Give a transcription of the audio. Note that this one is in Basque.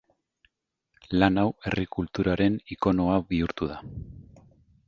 Lan hau herri kulturaren ikonoa bihurtu da.